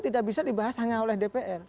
tidak bisa dibahas hanya oleh dpr